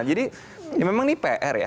jadi ya memang ini pr ya